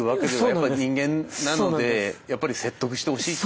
やっぱり人間なのでやっぱり説得してほしいっていう。